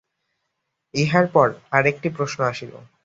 ইহার পর আর একটি প্রশ্ন আসিল।